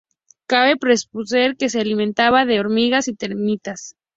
Cabe presuponer que se alimentaba de hormigas y termitas.